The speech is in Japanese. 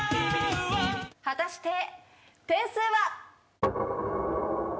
果たして点数は。